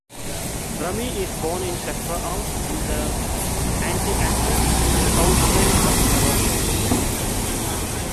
Rami is born in Tafraout in the Anti-Atlas, southwest of Morocco.